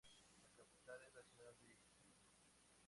La capital es la ciudad de Gifu.